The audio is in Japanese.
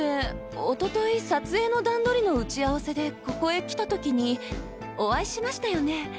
おととい撮影の段取りの打ち合わせでここへ来た時にお会いしましたよね？